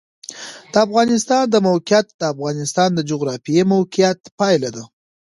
د افغانستان د موقعیت د افغانستان د جغرافیایي موقیعت پایله ده.